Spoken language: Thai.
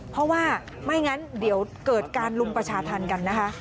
เพราะว่าไม่งั้นเดี๋ยวเกิดการลุมประชาธรรมกันนะคะ